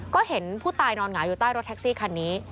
ก็เห็นผู้ตายนอนหงายอยู่ใต้รถแท็กซี่คันนี้